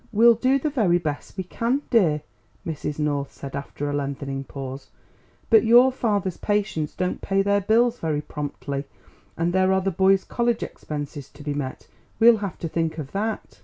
"We'll do the very best we can, dear," Mrs. North said after a lengthening pause; "but your father's patients don't pay their bills very promptly, and there are the boys' college expenses to be met; we'll have to think of that."